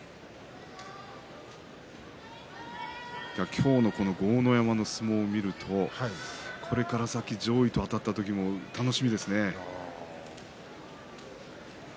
今日の豪ノ山の相撲を見るとこれから先上位とあたった時に楽しみですね。